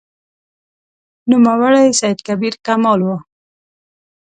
نوموړی سید کبیر کمال و.